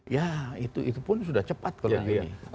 ya itu pun sudah cepat kalau juni